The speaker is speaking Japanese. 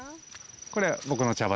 これ僕の茶畑。